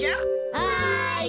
はい！